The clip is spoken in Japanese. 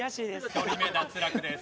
１人目脱落です。